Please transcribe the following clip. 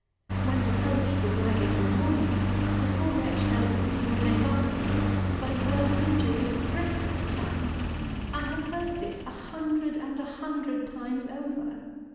When reproached with lagging in the morning, the poor wretch tells you that he will make up for it by working during his breakfast time! I have heard this a hundred and a hundred times over.